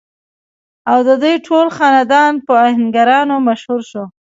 او ددوي ټول خاندان پۀ اهنګرانو مشهور شو ۔